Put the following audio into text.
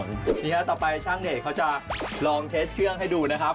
นี่ฮะต่อไปช่างเอกเขาจะลองเทสเครื่องให้ดูนะครับ